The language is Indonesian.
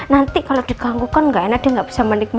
nanti kalau diganggu kan gak enak deh gak bisa menikmati